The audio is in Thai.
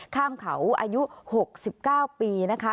ข้ามเขาอายุหกสิบเก้าปีนะคะ